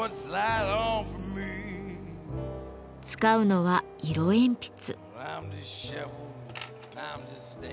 使うのは色鉛筆。